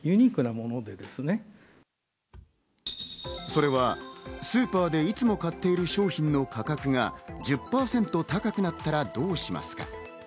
それは、スーパーでいつも買っている商品の価格が１０％高くなったらどうしますか？